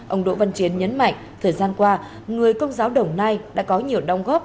ông đỗ văn chiến nhấn mạnh thời gian qua người công giáo đồng nai đã có nhiều đồng góp